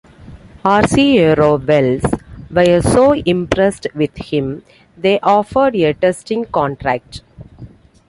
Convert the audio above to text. Arciero-Wells were so impressed with him, they offered a testing contract.